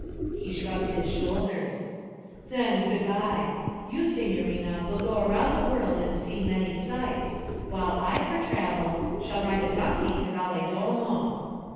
He shrugged his shoulders. 'Then good bye. You, signorina, will go around the world and see many sights, while I, for travel, shall ride on a donkey to Valedolmo.'